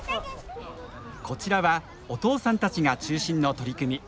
こちらはお父さんたちが中心の取り組み。